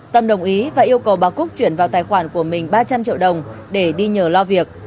tâm đồng ý và yêu cầu bà cúc chuyển vào tài khoản của mình ba trăm linh triệu đồng để đi nhờ lo việc